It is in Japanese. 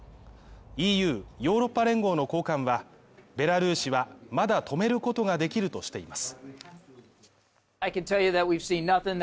ＥＵ＝ヨーロッパ連合の高官は、ベラルーシはまだ止めることができるとしています。